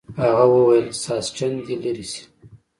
هغه وویل ساسچن دې لرې شي.